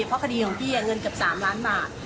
เพราะคดีของพี่เงินเกือบ๓ล้านบาท